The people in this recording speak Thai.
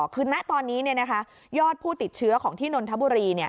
คือณตอนนี้ยอดผู้ติดเชื้อของที่นนทบุรี